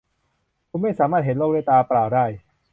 คุณไม่สามารถเห็นโลกด้วยตาเปล่าได้